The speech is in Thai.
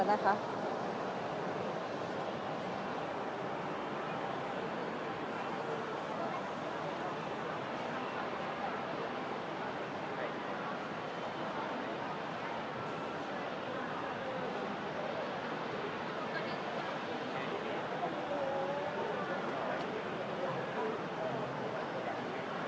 สวัสดีครับ